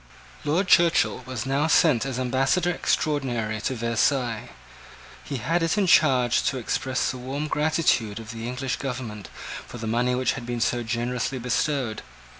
Lord Churchill was now sent as ambassador extraordinary to Versailles. He had it in charge to express the warm gratitude of the English government for the money which had been so generously bestowed.